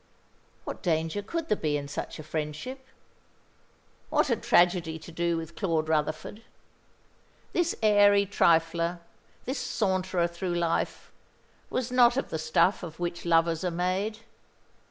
What danger could there be in such a friendship? What had tragedy to do with Claude Rutherford? This airy trifler, this saunterer through life, was not of the stuff of which lovers are made.